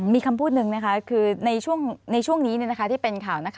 มีคำพูดหนึ่งนะคะคือในช่วงนี้ที่เป็นข่าว